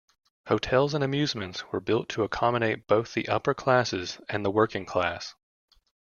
Hotels and amusements were built to accommodate both the upper-classes and the working-class.